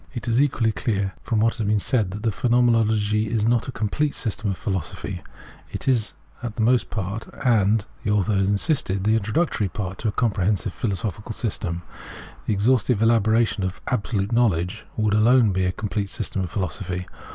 It is equally clear from what has been said that the Phenomenology is not a complete system of philosophy. It is at most a part, and, as the author insisted, the introductory part to a comprehensive philosophical system. The exhaustive elaboration of " Absolute Knowledge " would alone be a complete system of philosophy.